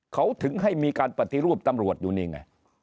เขาถึงให้มีการปฏิรูปตำรวจอยู่นี่ไง